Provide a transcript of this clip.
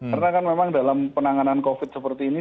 karena kan memang dalam penanganan covid sembilan belas seperti ini